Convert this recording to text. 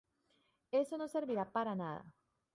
Eso no servirá para nada!